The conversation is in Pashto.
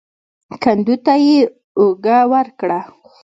کندو ته يې اوږه ورکړه.